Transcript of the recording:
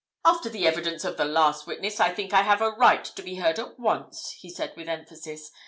"After the evidence of the last witness, I think I have a right to be heard at once!" he said with emphasis.